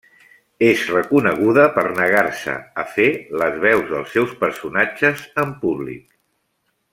És reconeguda per negar-se a fer les veus dels seus personatges en públic.